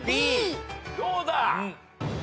どうだ？